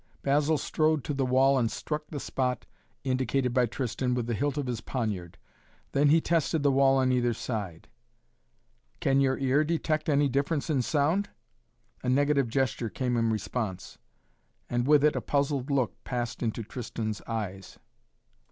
Basil strode to the wall and struck the spot indicated by Tristan with the hilt of his poniard. Then he tested the wall on either side. "Can your ear detect any difference in sound?" A negative gesture came in response, and with it a puzzled look passed into Tristan's eyes.